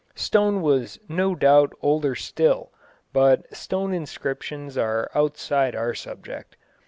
Stone was no doubt older still, but stone inscriptions are outside our subject.